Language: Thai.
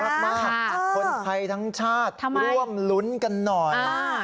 คนไทยทั้งชาติร่วมลุ้นกันหน่อย